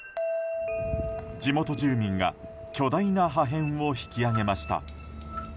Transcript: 地元住民が巨大な破片を引き上げました。